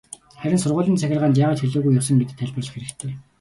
Харин сургуулийн захиргаанд яагаад хэлээгүй явсан гэдгээ тайлбарлах хэрэгтэй.